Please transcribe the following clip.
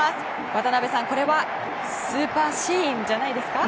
渡辺さん、これはスーパーシーンじゃないですか？